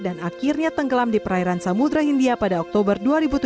dan akhirnya tenggelam di perairan samudera india pada oktober dua ribu tujuh belas